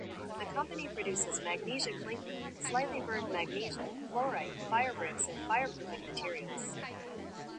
The company produces magnesia clinker, slightly burnt magnesia, chlorite, firebricks and fireproofing materials.